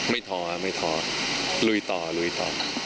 ท้อไม่ท้อลุยต่อลุยต่อ